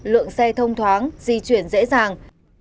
lượng xe thông thoáng di chuyển dễ dàng